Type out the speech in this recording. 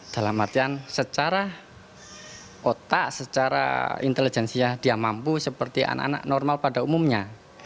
dalam artian secara otak secara intelijensinya dia mampu seperti anak anak normal pada umumnya